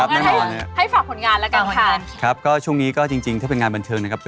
เหมือนกันติดต่อไปเป็นเท่าแก่